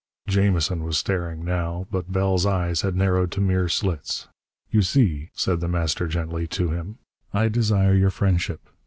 Jamison was staring, now, but Bell's eyes had narrowed to mere slits. "You see," said The Master gently, to him, "I desire your friendship.